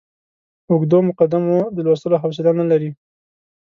اوږدو مقدمو د لوستلو حوصله نه لري.